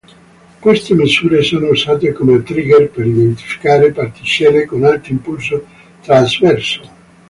Queste misure sono usate come trigger per identificare particelle con alto impulso trasverso.